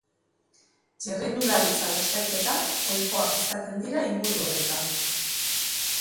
Txirrindularitza lasterketak ohikoak izaten dira inguru horretan.